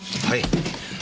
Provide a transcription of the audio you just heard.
はい。